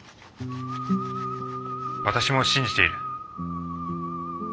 私も信じている。